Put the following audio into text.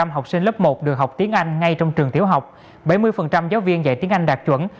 bảy mươi học sinh lớp một được học tiếng anh ngay trong trường tiểu học bảy mươi giáo viên dạy tiếng anh đạt chuẩn